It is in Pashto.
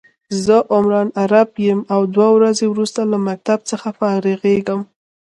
زه عمران عرب يم او دوه ورځي وروسته له مکتب څخه فارغيږم